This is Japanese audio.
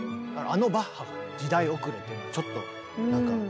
あのバッハが時代遅れというちょっとなんか。